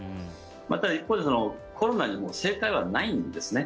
また一方で、コロナにもう正解はないんですね。